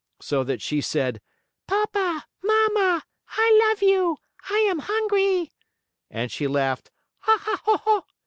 So that she said: "Papa! Mama! I love you! I am hungry!" And she laughed: "Ha! Ha!